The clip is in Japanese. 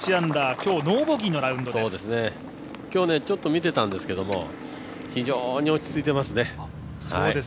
今日見てたんですけども非常に落ち着いてますね。